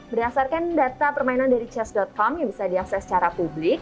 berdasarkan data permainan dari ches com yang bisa diakses secara publik